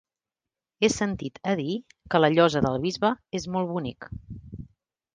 He sentit a dir que la Llosa del Bisbe és molt bonic.